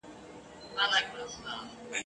کال په کال خزانېدلای رژېدلای ..